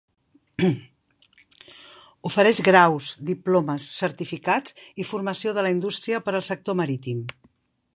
Ofereix graus, diplomes, certificats i formació de la indústria per al sector marítim.